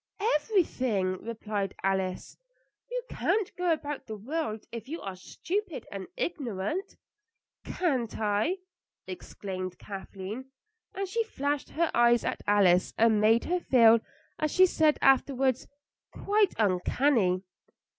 "Everything," replied Alice. "You can't go about the world if you are stupid and ignorant." "Can't I?" exclaimed Kathleen, and she flashed her eyes at Alice and made her feel, as she said afterwards, quite uncanny.